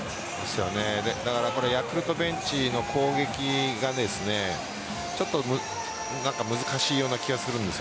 だからヤクルトベンチの攻撃がちょっと難しいような気がするんです。